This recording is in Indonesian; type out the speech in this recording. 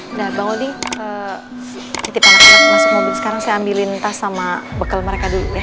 enggak bang odi titip anak anak masuk mobil sekarang saya ambilin tas sama bekal mereka dulu ya